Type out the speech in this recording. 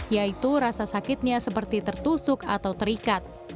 yaitu rasa sakitnya seperti tertusuk atau terikat